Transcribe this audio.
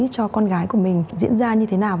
cho con gái của mình diễn ra như thế nào